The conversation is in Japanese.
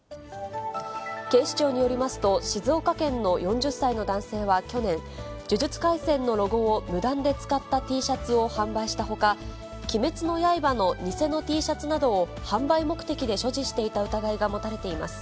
警視庁によりますと、静岡県の４０歳の男性は去年、呪術廻戦のロゴを無断で使ったＴシャツを販売したほか、鬼滅の刃の偽のＴシャツなどを販売目的で所持していた疑いが持たれています。